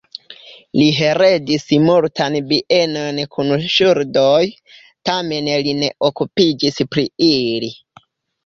Li heredis multajn bienojn kun ŝuldoj, tamen li ne okupiĝis pri ili.